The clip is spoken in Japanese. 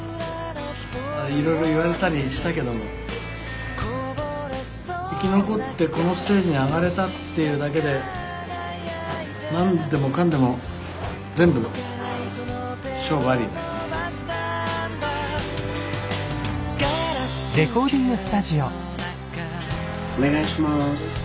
いろいろ言われたりしたけども生き残ってこのステージに上がれたっていうだけで何でもかんでも全部勝負ありだよね。